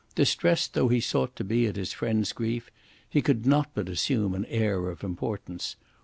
Distressed though he sought to be at his friend's grief, he could not but assume an air of importance.